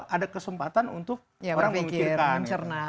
ada kesempatan untuk orang memikirkan